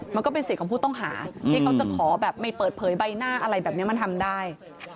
มันก็เป็นสิทธิ์ของผู้ต้องหาที่เขาจะขอแบบไม่เปิดเผยใบหน้าอะไรแบบนี้มันทำได้